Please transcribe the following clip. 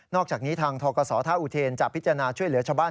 อกจากนี้ทางทกศท่าอุเทนจะพิจารณาช่วยเหลือชาวบ้าน